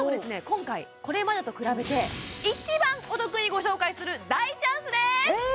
今回これまでと比べて一番お得にご紹介する大チャンスです